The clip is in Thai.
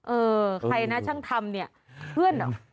เออใครนะช่างทำเนี่ยเพื่อนเหรอ